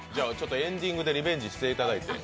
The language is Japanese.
エンディングでリベンジしていただいて。